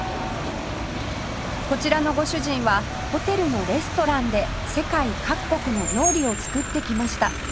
こちらのご主人はホテルのレストランで世界各国の料理を作ってきました